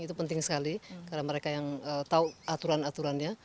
itu penting sekali karena mereka yang tahu aturan aturannya